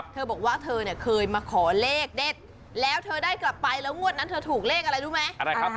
เธอบอกว่าเธอเนี่ยเคยมาขอเลขเด็ดแล้วเธอได้กลับไปแล้วงวดนั้นเธอถูกเลขอะไรรู้ไหม